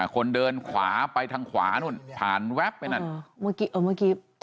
คนเดินขวาไปทางขวานู้นผ่านแวบในนั้น